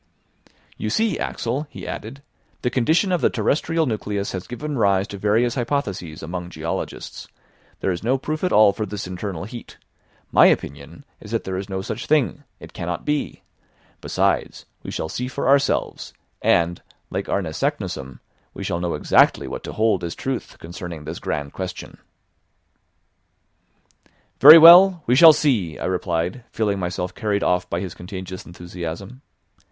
"You see, Axel," he added, "the condition of the terrestrial nucleus has given rise to various hypotheses among geologists; there is no proof at all for this internal heat; my opinion is that there is no such thing, it cannot be; besides we shall see for ourselves, and, like Arne Saknussemm, we shall know exactly what to hold as truth concerning this grand question." "Very well, we shall see," I replied, feeling myself carried off by his contagious enthusiasm.